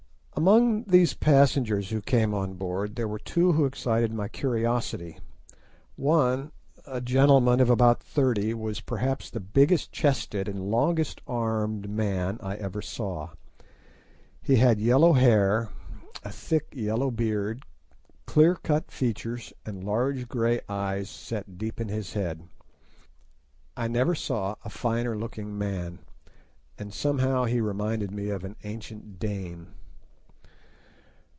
Among these passengers who came on board were two who excited my curiosity. One, a gentleman of about thirty, was perhaps the biggest chested and longest armed man I ever saw. He had yellow hair, a thick yellow beard, clear cut features, and large grey eyes set deep in his head. I never saw a finer looking man, and somehow he reminded me of an ancient Dane.